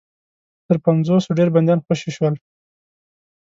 تر پنځوسو ډېر بنديان خوشي شول.